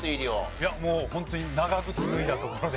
いやもうホントに長靴脱いだところで。